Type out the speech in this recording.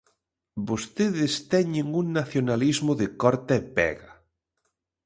Vostedes teñen un nacionalismo de corta e pega.